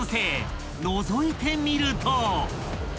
［のぞいてみると］